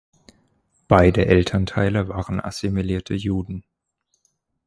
Beide Elternteile waren assimilierte Juden.